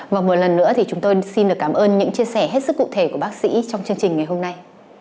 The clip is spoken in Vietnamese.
và một lần nữa thì chúng tôi xin được cảm ơn những chia sẻ hết sức cụ thể của bác sĩ trong chương trình ngày hôm nay